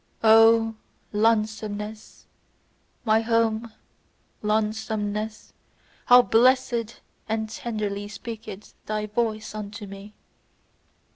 O lonesomeness! My home, lonesomeness! How blessedly and tenderly speaketh thy voice unto me!